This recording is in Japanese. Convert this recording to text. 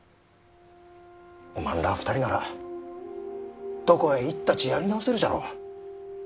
おまんらあ２人ならどこへ行ったちやり直せるじゃろう。